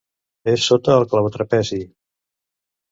És sota el clavotrapezi.